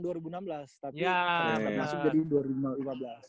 tapi ternyata masuk jadi dua ribu lima belas